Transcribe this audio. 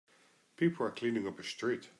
People are cleaning up a street.